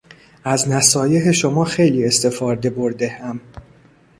از نصایح شما خیلی استفاده بردهام.